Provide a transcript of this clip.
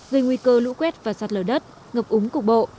gây nguy cơ lũ quét và sạt lở đất ngập úng cục bộ